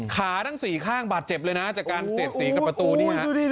ทั้ง๔ข้างบาดเจ็บเลยนะจากการเสียดสีกับประตูนี่ฮะ